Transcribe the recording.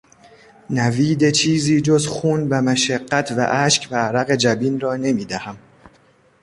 نوید چیزی جز خون و مشقت و اشک و عرق جبین را نمیدهم.